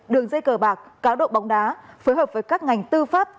đường dây cờ bạc cá độ bóng đá phối hợp với các ngành tư pháp